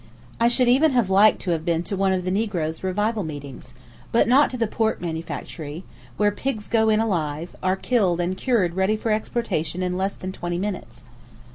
I should also have liked to have been to one of the Niggers' revival meetings; but not to the pork manufactory, where pigs go in alive, are killed and cured ready for exportation in less than twenty minutes.